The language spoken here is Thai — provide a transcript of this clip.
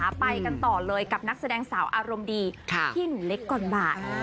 ไปกันต่อเลยกับนักแสดงสาวอารมณ์ดีพี่หนูเล็กก่อนบาท